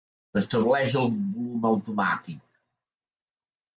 Estableix el volum automàtic.